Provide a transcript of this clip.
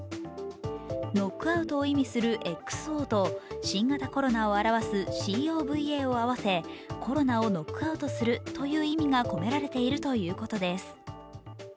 ノックアウトを意味するＸＯと新型コロナを表すＣＯＶＡを合わせコロナをノックアウトするという意味が込められているということです。